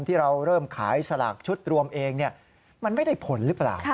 ที่เราเริ่มขายสลากชุดรวมเองมันไม่ได้ผลหรือเปล่า